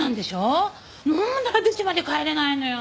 なんで私まで帰れないのよ。